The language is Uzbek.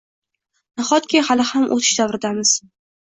Nahotki, hali ham o`tish davridamiz